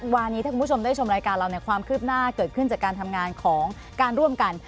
วันนี้ถ้าคุณผู้ชมได้ชมรายการเราเนี่ยความคืบหน้าเกิดขึ้นจากการทำงานของการร่วมกัน